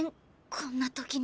こんな時に。